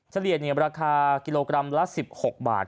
เฉลี่ยราคากิโลกรัมละ๑๖บาท